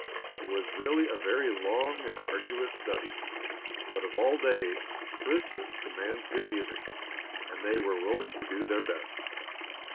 It was really a very long and arduous study; but of all days Christmas demands good music, and they were willing to do their best.